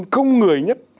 không người nhất